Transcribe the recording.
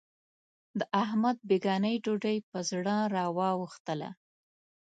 د احمد بېګانۍ ډوډۍ په زړه را وا وښتله.